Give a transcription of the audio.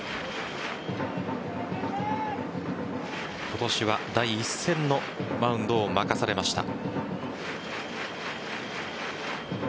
今年は第１戦のマウンドを任されました。